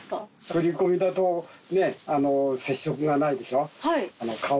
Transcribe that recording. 振り込みだと接触がないでしょ？